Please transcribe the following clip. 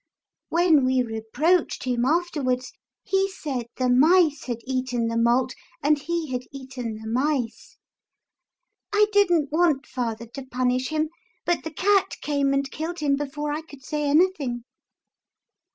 When we reproached him afterwards, he said the mice had eaten the malt, and he had eaten the mice. I didn't want father to punish him, but the cat came and killed him before I could say anything."